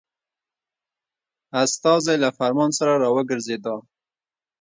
استازی له فرمان سره را وګرځېدی.